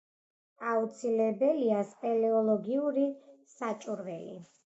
აუცილებელია სპელეოლოგიური საჭურველი.